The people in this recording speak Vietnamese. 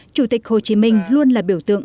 chủ tịch hồ chí minh luôn là biểu tượng